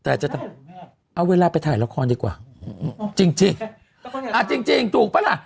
แต่จะเอาเวลาไปถ่ายละครดีกว่าจริงเอาจริงจริงถูกปะล่ะ